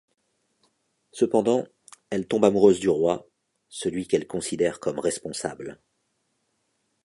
Cependant, elle tombe amoureuse du roi, celui qu'elle considère comme responsable...